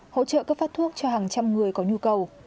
hỗ trợ cấp phát thuốc cho hàng trăm người có nhu cầu